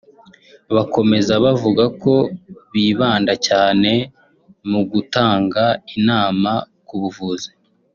Bakomeza bavuga ko bibanda cyane mu gutanga inama k’ubuvuzi